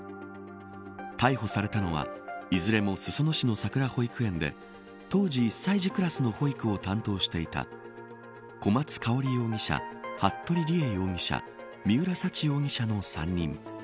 逮捕されたのはいずれも裾野市のさくら保育園で当時、１歳児クラスの保育を担当していた小松香織容疑者服部理江